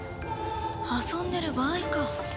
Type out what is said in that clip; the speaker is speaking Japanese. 遊んでる場合か？